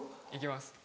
行きます。